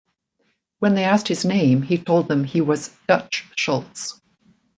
When they asked his name, he told them he was "Dutch" Schultz.